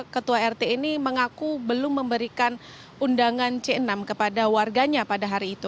ketua rt ini mengaku belum memberikan undangan c enam kepada warganya pada hari itu